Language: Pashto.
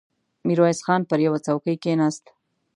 ميرويس خان پر يوه څوکۍ کېناست.